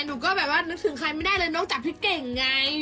หนูก็แบบว่านึกถึงใครไม่ได้เลยนอกจากพี่เก่งไง